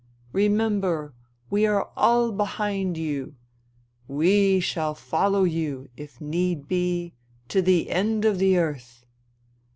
Remember, we are all behind you ; we shall follow you, if need be, to the end of the earth.